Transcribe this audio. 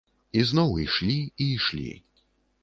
І зноў ішлі і ішлі.